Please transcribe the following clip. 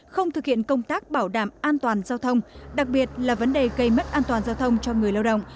không thực hiện công tác bảo đảm an toàn giao thông đặc biệt là vấn đề gây mất an toàn giao thông cho người lao động